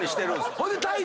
ほいで。